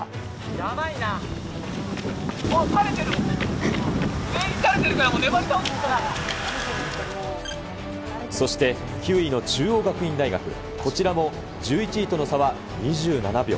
やばいな、もうたれてる、全員たれてるから、そして、９位の中央学院大学、こちらも１１位との差は２７秒。